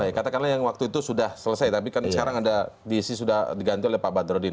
baik katakanlah yang waktu itu sudah selesai tapi kan sekarang ada diisi sudah diganti oleh pak badrodin